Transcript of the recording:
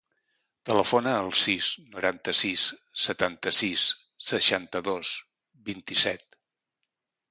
Telefona al sis, noranta-sis, setanta-sis, seixanta-dos, vint-i-set.